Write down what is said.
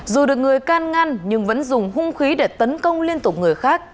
dù được người can ngăn nhưng vẫn dùng hung khí để tấn công liên tục người khác